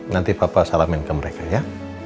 nanti bapak salamin ke mereka ya